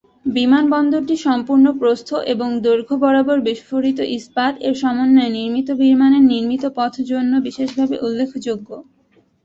বিমানবন্দরটি সম্পূর্ণ প্রস্থ এবং দৈর্ঘ্য বরাবর বিস্ফোরিত ইস্পাত এর সমন্বয়ে নির্মিত বিমানের নির্মিত পথ জন্য বিশেষভাবে উল্লেখযোগ্য।